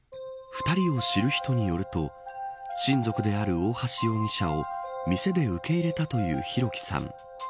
２人を知る人によると親族である大橋容疑者を店で受け入れたという弘輝さん。